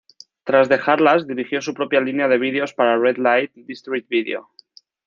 Tras dejarlas, dirigió su propia línea de videos para Red Light District Video.